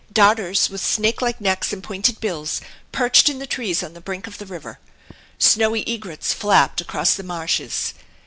Darters, with snakelike necks and pointed bills, perched in the trees on the brink of the river. Snowy egrets flapped across the marshes.